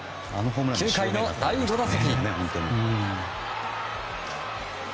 ９回の第５打席。